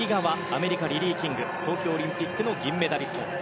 アメリカ、リリー・キング東京オリンピックの銀メダリスト。